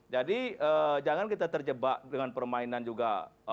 jadi jangan kita terjebak dengan permainan juga